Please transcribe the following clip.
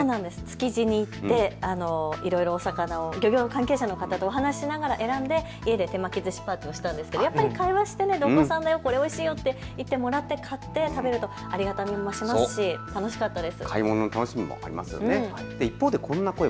築地に行っていろいろ漁業関係者の方とお話をしながら選んで、家で手巻きずしパーティーをしたんですけど、会話をしてどこ産だよ、これ、おいしいよと言ってもらって買うとありがたみも増しますし楽しかったです。